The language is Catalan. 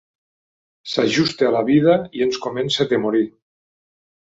S'ajusta a la vida i ens comença a atemorir.